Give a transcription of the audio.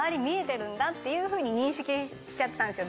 んだっていうふうに認識しちゃってたんですよ